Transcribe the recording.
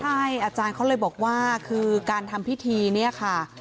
ใช่อาจารย์เขาเลยบอกว่าคือการทำพิธีเนี่ยค่ะ